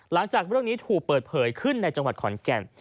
หลังจากเรื่องนี้ถูกเปิดเผยขึ้นในจังหวัดขอนแก่น